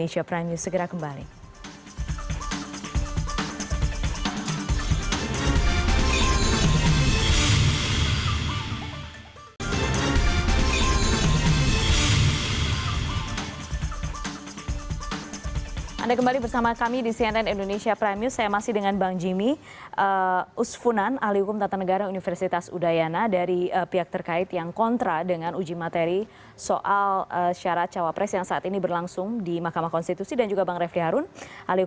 senat indonesia prime news segera kembali